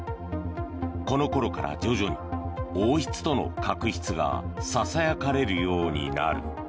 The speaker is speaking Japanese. このころから徐々に王室との確執がささやかれるようになる。